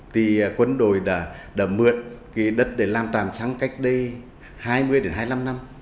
thì quân đội đã mượn cái đất để làm tràm xăng cách đây hai mươi đến hai mươi năm năm